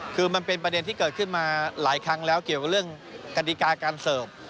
คือมันเป็นประเด็นที่เกิดขึ้นมาหลายครั้งแล้วเกี่ยวกับเรื่องกฎิกาการเสิร์ฟ